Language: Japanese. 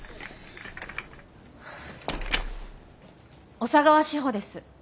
小佐川志穂です。